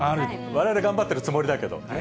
われわれ頑張ってるつもりだけど。